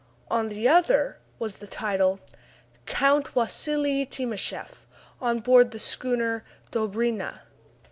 _ On the other was the title: _Count Wassili Timascheff, On board the Schooner "Dobryna."